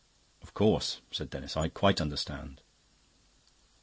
"Of course," said Denis. "I quite understand."